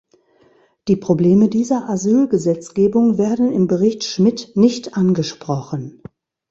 Die Probleme dieser Asylgesetzgebung werden im Bericht Schmitt nicht angesprochen.